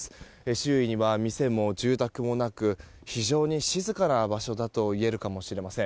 周囲には店も住宅もなく非常に静かな場所だといえるかもしれません。